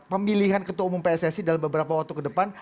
pemilihan ketua umum pssi dalam beberapa waktu ke depan